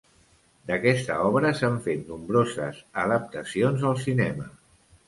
D'aquesta obra s'han fet nombroses adaptacions al cinema.